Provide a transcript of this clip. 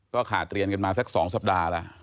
ขาดเรียนกันมาสัก๒สัปดาห์แล้ว